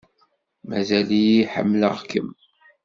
Mazal-iyi ḥemmleɣ-kem.